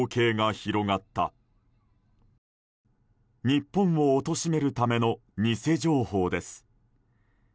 日本を貶めるための偽情報です。